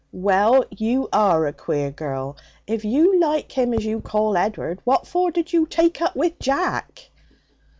'Well! You are a queer girl. If you like him as you call Ed'ard what for did you take up with Jack?'